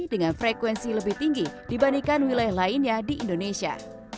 dengan frekuensi lebih tinggi dibandingkan wilayah lainnya di indonesia